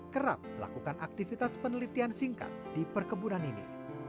kerap melakukan aktivitas penelitian singkat di perkebunan ini